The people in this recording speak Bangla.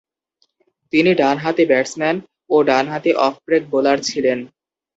তিনি ডানহাতি ব্যাটসম্যান ও ডানহাতি অফ-ব্রেক বোলার ছিলেন।